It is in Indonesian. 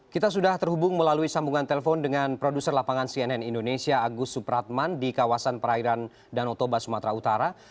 kita sudah terhubung melalui sambungan telepon dengan produser lapangan cnn indonesia agus supratman di kawasan perairan danau toba sumatera utara